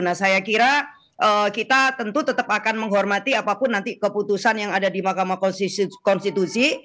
nah saya kira kita tentu tetap akan menghormati apapun nanti keputusan yang ada di mahkamah konstitusi